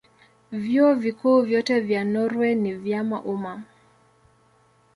Vyuo Vikuu vyote vya Norwei ni vya umma.